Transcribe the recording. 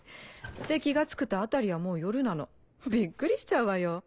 で気が付くと辺りはもう夜なのびっくりしちゃうわよ。